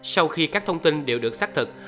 sau khi các thông tin đều được xác thực